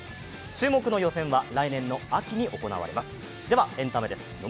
注目の予選は来年の秋に行われます。